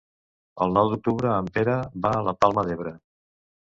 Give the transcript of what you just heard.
El nou d'octubre en Pere va a la Palma d'Ebre.